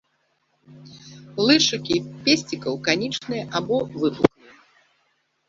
Лычыкі песцікаў канічныя або выпуклыя.